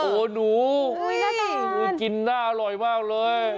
โอ้โหหนูกินน่าอร่อยมากเลย